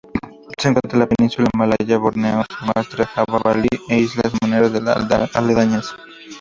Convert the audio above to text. Se encuentra en la península malaya, Borneo, Sumatra, Java, Bali e islas menores aledañas.